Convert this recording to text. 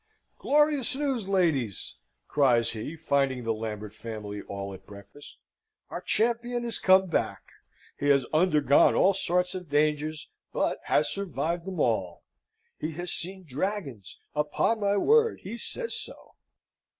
"Glorious news, ladies!" cries he, finding the Lambert family all at breakfast. "Our champion has come back. He has undergone all sorts of dangers, but has survived them all. He has seen dragons upon my word, he says so."